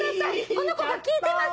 この子が聞いてます。